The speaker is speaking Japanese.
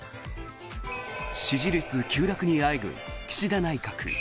支持率急落にあえぐ岸田内閣。